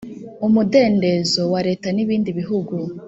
umudendezo wa leta n ibindi bihugu